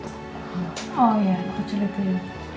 oh iya kecil itu ya